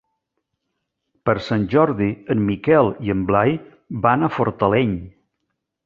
Per Sant Jordi en Miquel i en Blai van a Fortaleny.